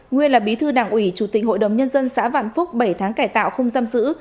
nguyên là bí thư đảng ủy chủ tịch hội đồng nhân dân xã vạn phúc bảy tháng cải tạo không giam giữ